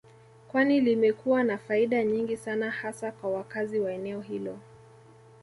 Kwani limekuwa na faida nyingi sana hasa kwa wakazi wa eneo hilo